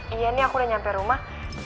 iya nih aku udah sampe rumah